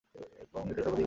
এবং এটাই সর্বাধিক বিশুদ্ধ।